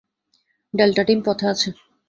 Delta team পথে আছে।